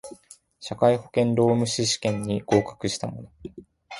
社会保険労務士試験に合格した者